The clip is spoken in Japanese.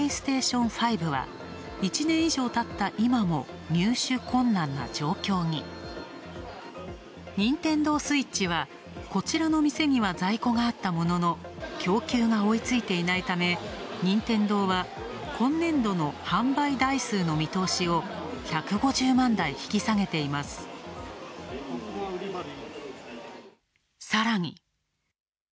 ＮｉｎｔｅｎｄｏＳｗｉｔｃｈはこちらの店には在庫があったものの、供給が追いついていないため、任天堂は今年度の販売台数の見通しを１５０万台引き下げていますさらに。